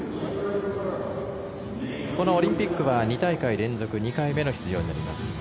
このオリンピックは２大会連続２回目の出場になります。